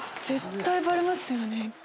絶対バレますよね。